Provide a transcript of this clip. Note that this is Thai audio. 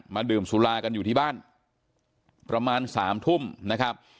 ดื่มสุรากันอยู่ที่บ้านประมาณสามทุ่มนะครับ